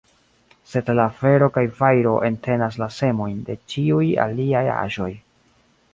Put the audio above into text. Sed la fero kaj fajro entenas la semojn de ĉiuj aliaj aĵoj.